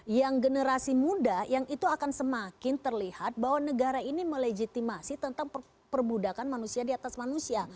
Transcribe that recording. yang generasi muda yang itu akan semakin terlihat bahwa negara ini melejitimasi tentang perbudakan manusia di atas manusia